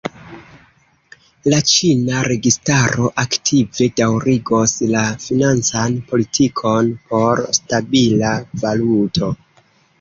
La ĉina registaro aktive daŭrigos la financan politikon por stabila valuto.